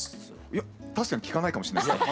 いや確かに聞かないかもしれないですね。